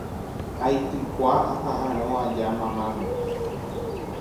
aitykua aha'arõ aja mamáme